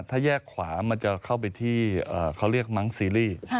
ถ้าแยกขวามันจะเข้าไปที่เขาเรียกมั้งซีรีส์